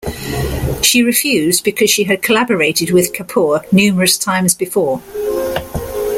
She refused because she had collaborated with Kapoor numerous times before.